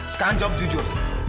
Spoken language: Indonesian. sekarang jawab jujur